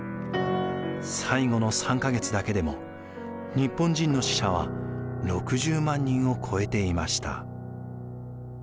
最後の３か月だけでも日本人の死者は６０万人を超えていました。